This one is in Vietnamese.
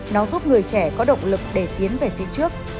nó giúp người trẻ có động lực để tiến về phía trước